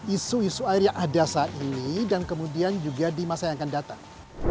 isu isu air yang adasa ini dan kemudian juga di masa yang akan datang